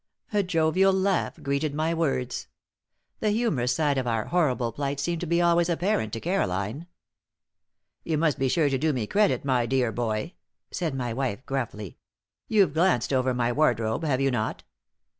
A jovial laugh greeted my words. The humorous side of our horrible plight seemed to be always apparent to Caroline. "You must be sure to do me credit, my dear boy," said my wife, gruffly. "You've glanced over my wardrobe, have you not?"